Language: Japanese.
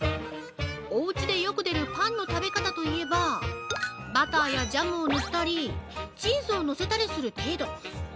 お家でよく出るパンの食べ方といえば、バターやジャムを塗ったりチーズをのせたりする程度。